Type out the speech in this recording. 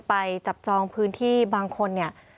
ไปจับจองพื้นที่บางคนเนี่ย